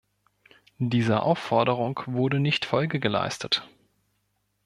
Dieser Aufforderung wurde nicht Folge geleistet.